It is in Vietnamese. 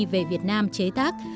về việt nam chế tác